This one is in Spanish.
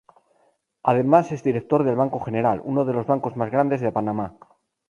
Además es director del Banco General, uno de los bancos más grandes de Panamá.